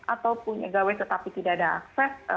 atau punya gawe tetapi tidak ada akses